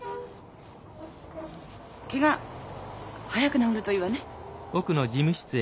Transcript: ケガ早く治るといいわね。